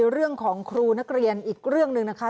เรื่องของครูนักเรียนอีกเรื่องหนึ่งนะคะ